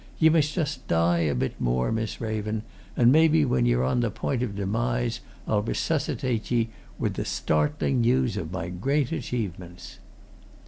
Ye must just die a bit more, Miss Raven, and maybe when ye're on the point of demise I'll resuscitate ye with the startling news of my great achievements."